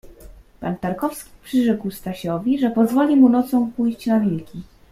Pan Tarkowski przyrzekł Stasiowi, że pozwoli mu nocą pójść na wilki.